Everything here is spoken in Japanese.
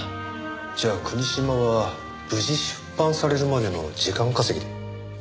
じゃあ国島は無事出版されるまでの時間稼ぎで？